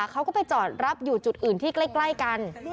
เขาก็ไปจอดรับอยู่จุดอื่นที่ใกล้กัน